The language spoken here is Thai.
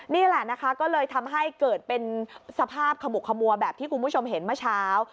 นี่แหละนะคะก็เลยทำให้เกิดเป็นสภาพขมุกขมัวแบบที่คุณผู้ชมเห็นเมื่อเช้า